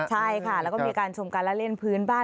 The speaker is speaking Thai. ใช่ค่ะแล้วก็มีการชมการละเล่นพื้นบ้าน